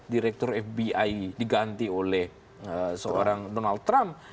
direktur fbi diganti oleh seorang donald trump